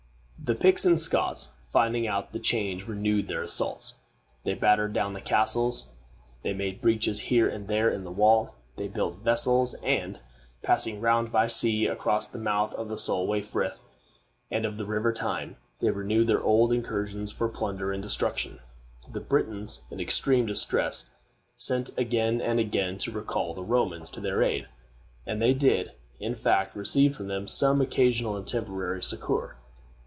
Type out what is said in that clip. The Picts and Scots, finding out the change, renewed their assaults. They battered down the castles; they made breaches here and there in the wall; they built vessels, and, passing round by sea across the mouth of the Solway Frith and of the River Tyne, they renewed their old incursions for plunder and destruction. The Britons, in extreme distress, sent again and again to recall the Romans to their aid, and they did, in fact, receive from them some occasional and temporary succor.